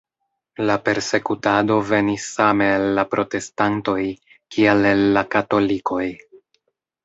La persekutado venis same el la protestantoj, kiel el la katolikoj.